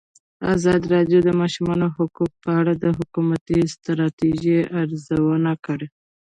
ازادي راډیو د د ماشومانو حقونه په اړه د حکومتي ستراتیژۍ ارزونه کړې.